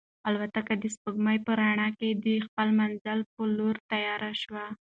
الوتکه د سپوږمۍ په رڼا کې د خپل منزل په لور تېره شوه.